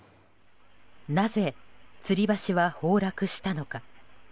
なぜ、つり橋は崩落したのか。